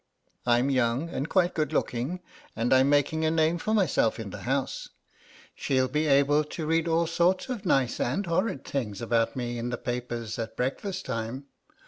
I'm young and quite good looking, and I'm making a name for myself in the House; she'll be able to read all sorts of nice and horrid things about me in the papers at breakfast time.